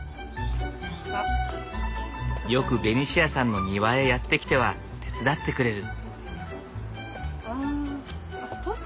よくベニシアさんの庭へやって来ては手伝ってくれる。